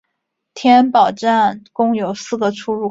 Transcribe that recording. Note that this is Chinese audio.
天宝站共有四个出入口。